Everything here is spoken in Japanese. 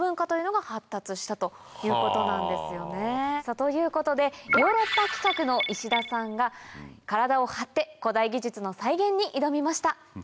ということでヨーロッパ企画の石田さんが体を張って古代技術の再現に挑みました。